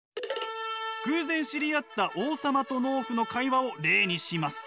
偶然知り合った王様と農夫の会話を例にします！